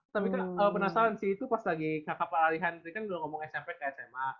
tapi kan penasaran sih itu pas lagi kakak parali henry kan udah ngomong smp ke sma